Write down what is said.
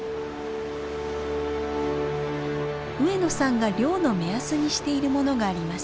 上野さんが漁の目安にしているものがあります。